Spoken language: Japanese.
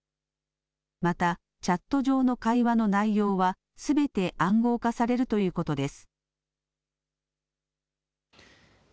またチャット上の会話の内容はすべて暗号化されるということです。